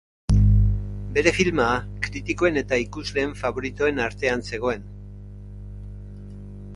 Bere filma kritikoen eta ikusleen faboritoen artean zegoen.